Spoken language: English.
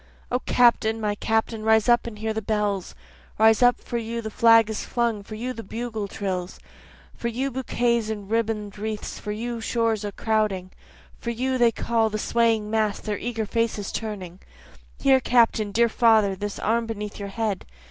O Captain! my Captain! rise up and hear the bells; Rise up for you the flag is flung for you the bugle trills, For you bouquets and ribbon'd wreaths for you the shores a crowding, For you they call, the swaying mass, their eager faces turning; Here Captain! dear father! This arm beneath your head!